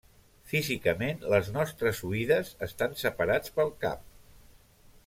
Físicament les nostres oïdes estan separats pel cap.